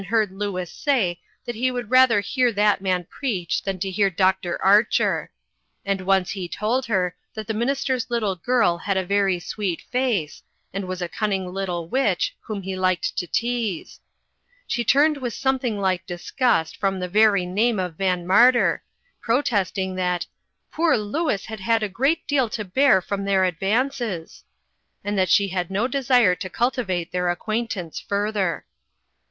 heard Louis say that he would rather hear that man preacli than to hear Doctor Archer ; and once he told her that the minister's little girl had a very sweet face, and was a cunning little witch whom he liked to tease. She turned with something like dis gust from the very name of VanMarter, protesting that "poor Louis had had a great deal to bear from their advances," and that she had no desire to cultivate their acquaint ance further.